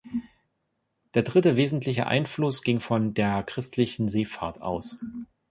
Der dritte wesentliche Einfluss ging von der christlichen Seefahrt aus.